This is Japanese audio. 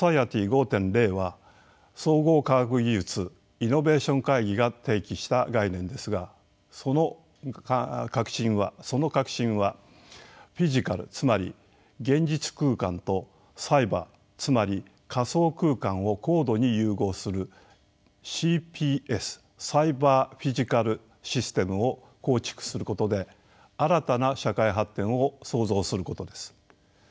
Ｓｏｃｉｅｔｙ５．０は総合科学技術・イノベーション会議が提起した概念ですがその核心はフィジカルつまり現実空間とサイバーつまり仮想空間を高度に融合するＣＰＳサイバーフィジカルシステムを構築することで新たな社会発展を創造することです。